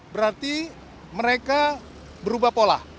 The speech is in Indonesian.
berarti mereka berubah pola